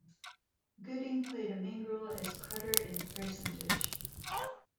Gooding played a main role as Carter in "Percentage".